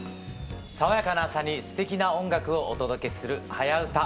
爽やかな朝にすてきな音楽をお届けする「はやウタ」。